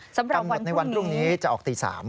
กำหนดในวันพรุ่งนี้จะออกตี๓